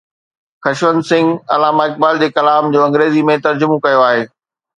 خشونت سنگهه علامه اقبال جي ڪلام جو انگريزيءَ ۾ ترجمو ڪيو آهي